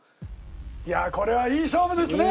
いやあこれはいい勝負ですね！